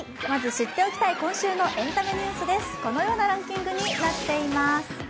まず知っておきたい今週のエンタメニュース、このようなランキングになっています。